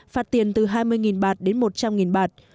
phạt tiền từ hai mươi bạt đến một trăm linh bạt